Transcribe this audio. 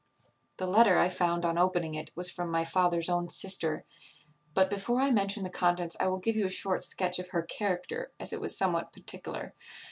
"The letter, I found on opening it, was from my father's own sister; but before I mention the contents I will give you a short sketch of her character, as it was somewhat particular.